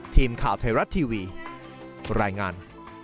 ทีมข่าวไทยรัฐทีวีรายงาน